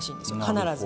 必ず。